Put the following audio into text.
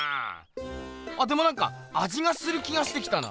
でもなんかあじがする気がしてきたな。